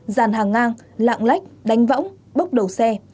dàn hàng ngang lạng lách đánh võng bốc đầu xe